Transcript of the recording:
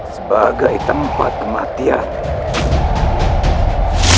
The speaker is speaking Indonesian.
sebagai tempat kematian